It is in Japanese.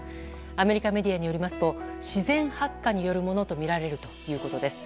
アメリカメディアによりますと自然発火によるものとみられるということです。